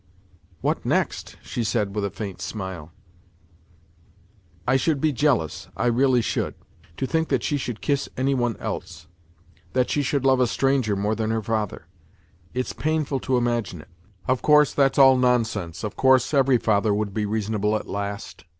" What next ?" she said, with a faint smile. " I should be jealous, I really should. To think that she should kiss any one else ! That she should love a stranger more than her father ! It's painful to imagine it. Of course, that's all nonsense, of course every father would be reasonable at last.